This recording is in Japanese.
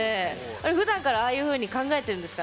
あれふだんからああいうふうに考えてるんですか？